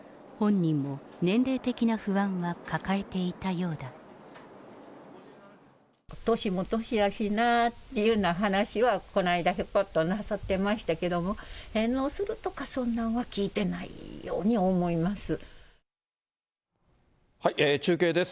年も年やしなっていうような話はこないだ、ひょこっとなさってましたけど、返納するとか、そんなんは聞いてない中継です。